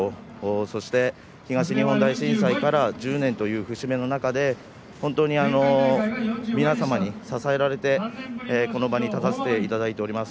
そして、東日本大震災から１０年という節目の中で本当に皆様に支えられてこの場に立たせていただいております。